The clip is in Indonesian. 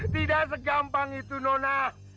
tidak segampang itu nona